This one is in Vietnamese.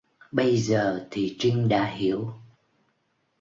bây giờ thì Trinh đã hiểu